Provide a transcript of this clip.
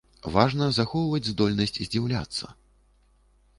Важна захоўваць здольнасць здзіўляцца.